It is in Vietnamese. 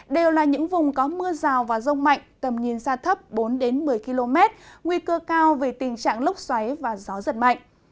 đều là những vùng có mưa rào và rông mạnh tầm nhìn xa thấp bốn một mươi km nguy cơ cao về tình trạng lốc xoáy và gió giật mạnh